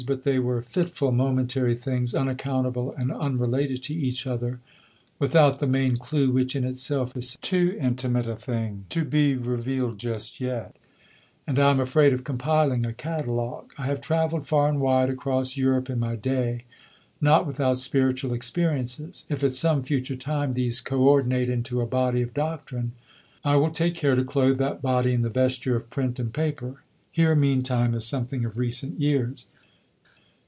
But they were fitful, momentary things, unaccountable and unrelated to each other, without the main clue which in itself is too intimate a thing to be revealed just yet, and I am afraid of compiling a catalogue. I have travelled far and wide across Europe in my day, not without spiritual experiences. If at some future time these co ordinate into a body of doctrine I will take care to clothe that body in the vesture of print and paper. Here, meantime, is something of recent years.